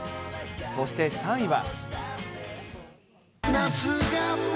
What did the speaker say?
そして３位は。